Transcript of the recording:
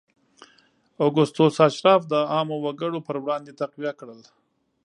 اګوستوس اشراف د عامو وګړو پر وړاندې تقویه کړل